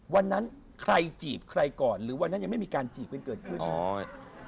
วันนั้นใครจีบใครก่อนหรือวันนั้นยังไม่มีการจีบกันเกิดขึ้น